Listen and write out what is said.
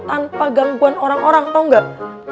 tanpa gangguan orang orang tau gak